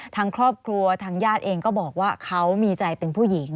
ทางครอบครัวทางญาติเองก็บอกว่าเขามีใจเป็นผู้หญิง